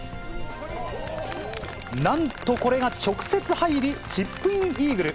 なんとこれが直接入り、チップインイーグル。